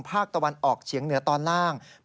ภาคตะวันออกเฉียงเหนือตอนล่าง